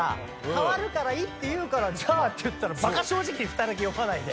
変わるからいいって言うからじゃあっていったらバカ正直に２人だけ読まないで。